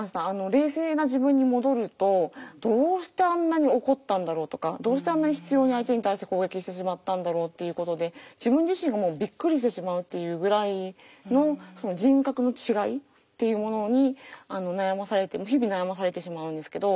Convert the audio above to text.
冷静な自分に戻るとどうしてあんなに怒ったんだろうとかどうしてあんなに執ように相手に対して攻撃してしまったんだろうっていうことで自分自身もびっくりしてしまうっていうぐらいの人格の違いっていうものに悩まされて日々悩まされてしまうんですけど。